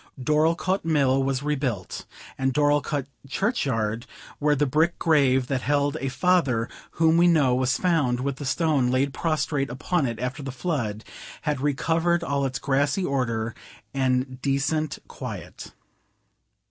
Dorlcote Mill was rebuilt. And Dorlcote churchyard—where the brick grave that held a father whom we know, was found with the stone laid prostrate upon it after the flood—had recovered all its grassy order and decent quiet.